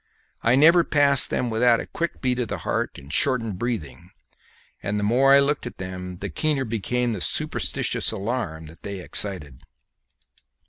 I never passed them without a quick beat of the heart and shortened breathing; and the more I looked at them the keener became the superstitious alarm they excited.